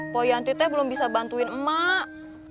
pokoknya antiethe belum bisa bantuin emak